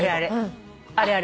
あれあれ。